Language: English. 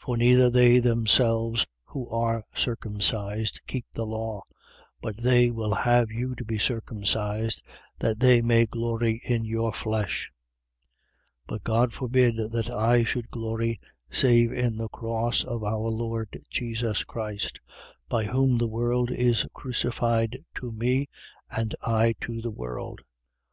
6:13. For neither they themselves who are circumcised keep the law: but they will have you to be circumcised, that they may glory in your flesh. 6:14. But God forbid that I should glory, save in the cross of our Lord Jesus Christ: by whom the world is crucified to me, and I to the world.